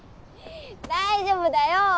大丈夫だよ！